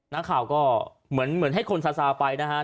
นักข่าวก็เหมือนให้คนซาซาไปนะฮะ